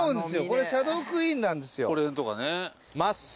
これシャドークイーンなんですよ。